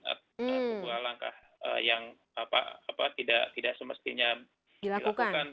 atau sebuah langkah yang tidak semestinya dilakukan